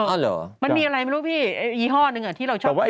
เออมันมีอะไรไม่รู้พี่อีห้อนึงที่เราชอบกับเรา